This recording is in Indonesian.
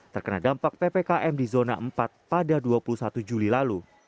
terkena dampak ppkm di zona empat pada dua ribu dua puluh satu